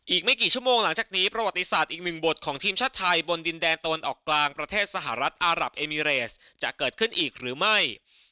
อีกไม่กี่ชั่วโมงหลังจากนี้ประวัติศาสตร์อีกหนึ่งบทของทีมชาติไทยบนดินแดงตะวันออกกลางประเทศสหรัฐอารับเอมิเรสจะเกิดขึ้นอีกหรือไม่